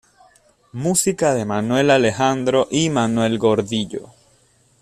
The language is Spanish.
Música de Manuel Alejandro y Manuel Gordillo.